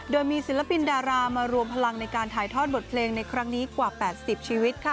โดยมีศิลปินดารามารวมพลังในการถ่ายทอดบทเพลงในครั้งนี้กว่า๘๐ชีวิต